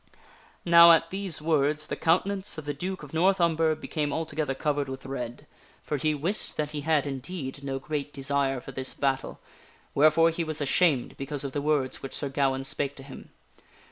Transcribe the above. Now at these words the countenance of the Duke of North Umber be came altogether covered with red, for he wist that he had, indeed, no great desire for this battle, wherefore he was ashamed because of the words which Sir Gawaine spake to him.